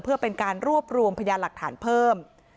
เพื่อเป็นการรวบรวมพยานหลักฐานเพิ่ม